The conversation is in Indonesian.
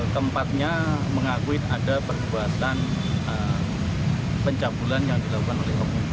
tempatnya mengakui ada perbuatan pencabulan yang dilakukan oleh oknum